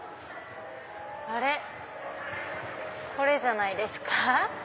あれ⁉これじゃないですか？